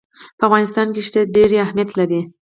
په افغانستان کې ښتې ډېر اهمیت لري.